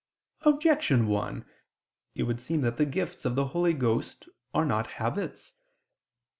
Objection 1: It would seem that the gifts of the Holy Ghost are not habits.